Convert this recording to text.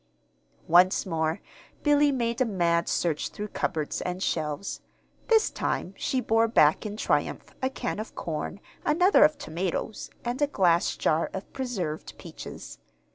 Once more Billy made a mad search through cupboards and shelves. This time she bore back in triumph a can of corn, another of tomatoes, and a glass jar of preserved peaches.